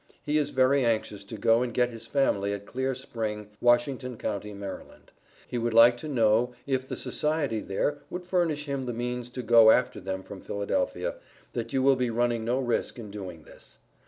He is very anxious to go and get his family at Clear Spring, Washington county, Md. He would like to know if the Society there would furnish him the means to go after them from Philadelphia, that you will be running no risk in doing this.